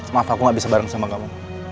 maaf aku gak bisa bareng sama kamu